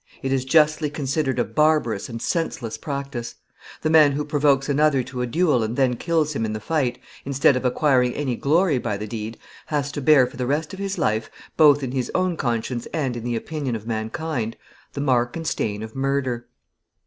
It is justly considered a barbarous and senseless practice. The man who provokes another to a duel and then kills him in the fight, instead of acquiring any glory by the deed, has to bear, for the rest of his life, both in his own conscience and in the opinion of mankind, the mark and stain of murder.